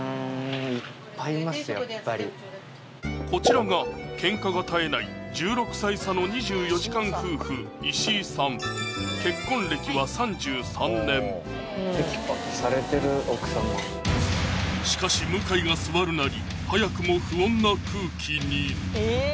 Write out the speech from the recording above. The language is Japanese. こちらがケンカが絶えない１６歳差の２４時間夫婦石井さんしかし向井が座るなり